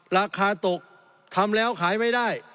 ราคาตกทำแล้วขายไม่ได้